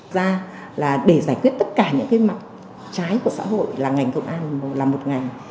ra là để giải quyết tất cả những cái mặt trái của xã hội là ngành công an là một ngành